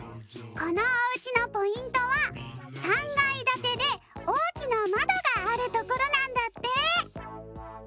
このおうちのポイントは３がいだてでおおきなまどがあるところなんだって！